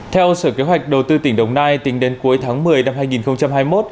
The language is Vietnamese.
theo sở kế hoạch đầu tư tỉnh đồng nai tính đến cuối tháng một mươi năm hai nghìn hai mươi một